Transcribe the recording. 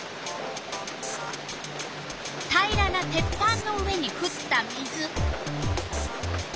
平らな鉄板の上にふった水。